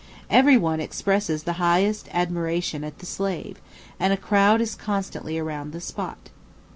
Every one expresses the highest admiration at the Slave, and a crowd is constantly around the spot.